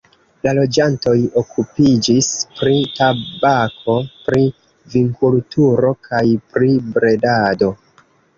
La loĝantoj okupiĝis pri tabako, pri vinkulturo kaj pri bredado.